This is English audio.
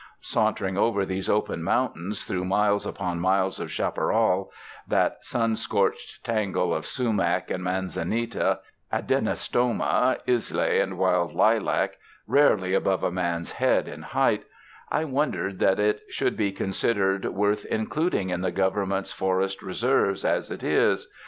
Sauntering over these open mountains through miles upon miles of chaparral — that sun scorched tangle of sumac and manzanita, adenostoma, islay and wild lilac, rarely above a man's head in height — I wondered that it should be considered worth in cluding in the Government's forest reserves, as it is.